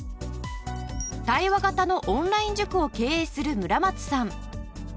対話型のオンライン塾を経営する村松さん。